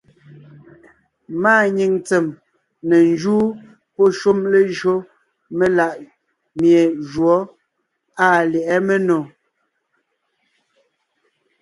Máa nyìŋ tsèm ne njúu pɔ́ shúm léjÿo melaʼmie jǔɔ àa lyɛ̌ʼɛ ménò.